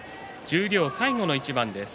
十両最後の一番です。